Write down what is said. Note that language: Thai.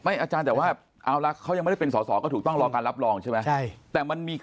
อาจารย์แต่ว่าเอาละเขายังไม่ได้เป็นสอสอก็ถูกต้องรอการรับรองใช่ไหม